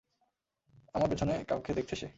আমার পেছনে কাউকে দেখছে সে।